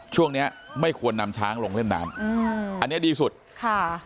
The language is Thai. ช่วงเนี้ยไม่ควรนำช้างลงเล่นน้ำอืมอันนี้ดีสุดค่ะ